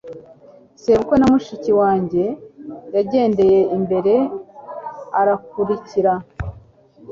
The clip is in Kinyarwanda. sebukwe wa mushiki wanjye yagendeye imbere, arakurikira